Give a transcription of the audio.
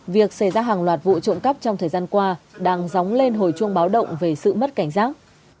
việc xảy ra hàng loạt vụ trộm cắp trong thời gian qua đang dóng lên hồi chuông báo động về sự mất cảnh giác